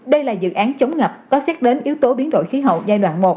đây là dự án chống ngập có xét đến yếu tố biến đổi khí hậu giai đoạn một